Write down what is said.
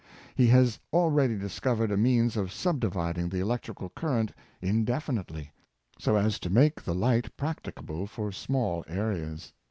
He has already discovered a means for subdividing the electric current indefinitely, so as to make the light practicable for small areas.